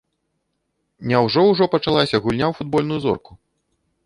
Няўжо ўжо пачалася гульня ў футбольную зорку?